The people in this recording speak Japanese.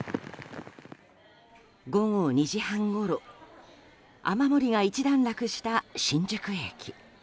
午後２時半ごろ雨漏りが一段落した新宿駅。